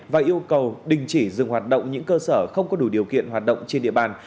và yêu cầu đình chỉ dừng hoạt động những cơ sở không có đủ điều kiện hoạt động trên địa bàn